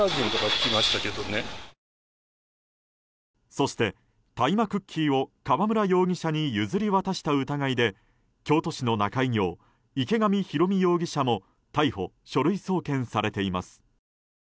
そして大麻クッキーを川村容疑者に譲り渡した疑いで京都市の仲居業池上ひろみ容疑者も逮捕・書類送検されています。